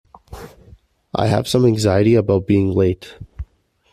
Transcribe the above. I have some anxiety about being late.